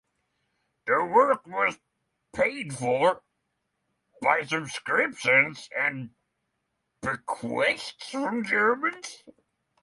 The work was paid for "by subscriptions and bequests from Germans".